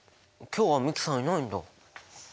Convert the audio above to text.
今日は美樹さんいないんだ。